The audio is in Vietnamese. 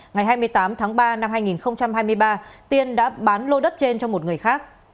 ngày hai mươi tám tháng ba năm hai nghìn hai mươi ba tiên đã bán lô đất trên cho một người khác